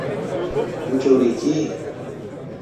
Uchori ki?